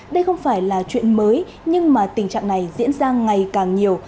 đây không phải là chuyện mới nhưng mà tình trạng này diễn ra ngày càng nhiều